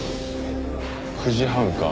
９時半か。